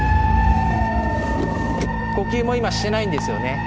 呼吸も今してないんですよね？